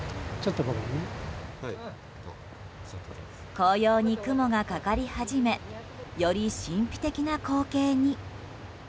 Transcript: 紅葉に雲がかかり始めより神秘的な光景に。